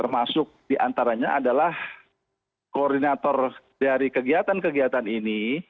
masuk di antaranya adalah koordinator dari kegiatan kegiatan ini